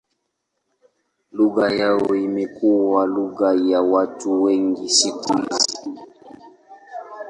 Lugha yao imekuwa lugha ya watu wengi siku hizi.